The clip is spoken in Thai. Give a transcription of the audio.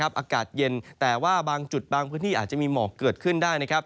อากาศเย็นแต่ว่าบางจุดบางพื้นที่อาจจะมีหมอกเกิดขึ้นได้